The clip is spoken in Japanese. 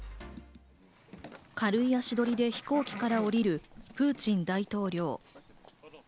軽い足取りで飛行機から降りるプーチン大統領。